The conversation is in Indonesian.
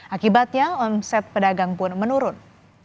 akibatnya omset pedagang pun menurun